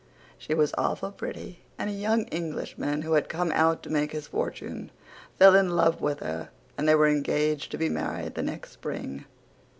She was awful pretty and a young englishman who had come out to make his fortune fell in love with her and they were engaged to be married the next spring.